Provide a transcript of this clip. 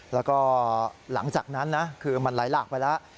แล้วก็หลังจากนั้นนะคือมันไหลหลากไปแล้ว